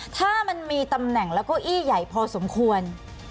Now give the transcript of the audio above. ถ้ามันมีตำแหน่งแล้วก็อี้ใหญ่พอสมควร